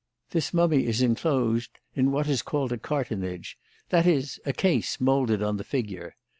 This mummy is enclosed in what is called a cartonnage, that is a case moulded on the figure.